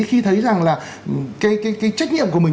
khi thấy rằng là cái trách nhiệm của mình